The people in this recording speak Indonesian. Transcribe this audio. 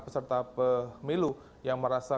peserta pemilu yang merasa